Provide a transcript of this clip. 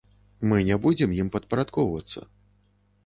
Мы не будзем ім падпарадкоўвацца.